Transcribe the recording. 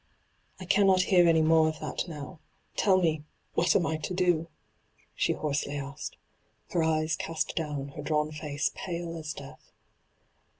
' I oannot hear any more of that now — tell me, what am I to do ?' she hoarsely asked, her eyes oast down, her drawn &ce pale as death.